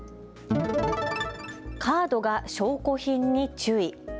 カードが証拠品に注意。